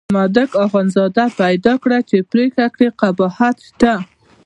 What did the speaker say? مامدک اخندزاده پیدا کړه چې پرېکړه کې قباحت شته.